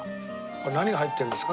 何が入ってるんですか？